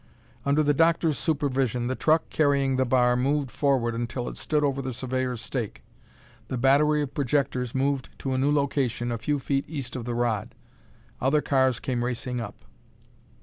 Under the doctor's supervision, the truck carrying the bar moved forward until it stood over the surveyor's stake. The battery of projectors moved to a new location a few feet east of the rod. Other cars came racing up.